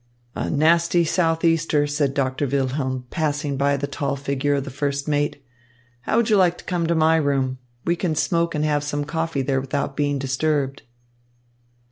"A nasty southeaster," said Doctor Wilhelm, passing by beside the tall figure of the first mate. "How would you like to come to my room? We can smoke and have some coffee there without being disturbed."